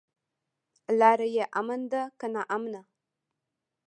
لاره يې امن ده که ناامنه؟